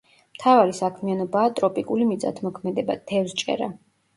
მთავარი საქმიანობაა ტროპიკული მიწათმოქმედება, თევზჭერა.